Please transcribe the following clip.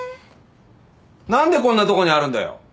何でこんなとこにあるんだよ。